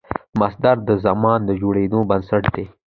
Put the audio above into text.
مصدر د زمان د جوړېدو بنسټ دئ.